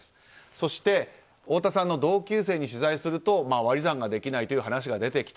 そして、太田さんの同級生に取材すると割り算ができないという話が出てきた。